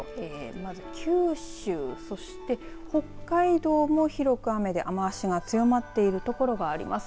まず九州、そして北海道も広く雨で雨足が強まっているところがあります。